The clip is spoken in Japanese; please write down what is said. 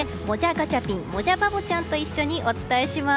ガチャピンもじゃバボちゃんと一緒にお伝えします。